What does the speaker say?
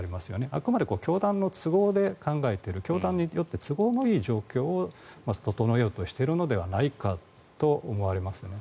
あくまで教団の都合で考えている教団によって都合のいい状況を整えようとしているのではないかと思われますね。